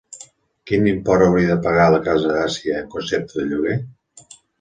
Quin import hauria de pagar la Casa Àsia en concepte de lloguer?